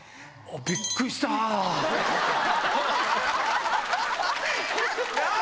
びっくりしたー。